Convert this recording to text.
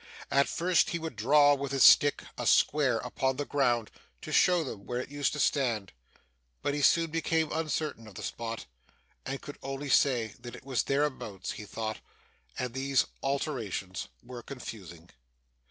At first he would draw with his stick a square upon the ground to show them where it used to stand. But he soon became uncertain of the spot, and could only say it was thereabouts, he thought, and these alterations were confusing.